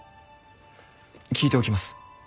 聞いておきます。